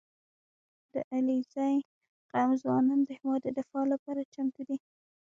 • د علیزي قوم ځوانان د هېواد د دفاع لپاره چمتو دي.